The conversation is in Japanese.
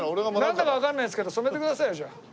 なんだかわかんないですけど染めてくださいよじゃあ。